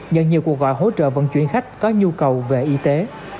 nhận nhiều cuộc gọi hỗ trợ vận chuyển khách có nhu cầu về y tế